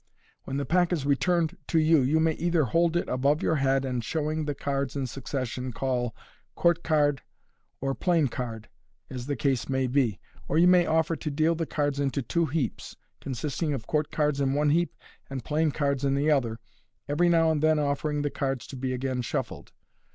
When the pack is re turned to you, you may either hold it above your head, and, showing the cards in succession, call " court card '• or " plain card," as the case may be, or you may offer to deal the cards into two heaps, con sisting of court cards in one heap and plain cards in the other, every now and then offering the cards to be again shuffled.